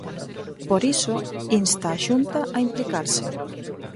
Por iso, insta a Xunta a implicarse.